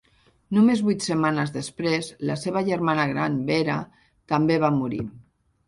Només vuit setmanes després, la seva germana gran Vera també va morir.